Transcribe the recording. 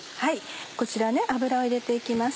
こちら油を入れて行きます。